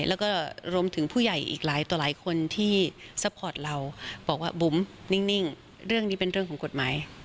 แล้วก็รวมถึงผู้ใหญ่อีกหลายต่อหลายคนที่ซัพพอร์ตเราบอกว่าบุ๋มนิ่งเรื่องนี้เป็นเรื่องของกฎหมาย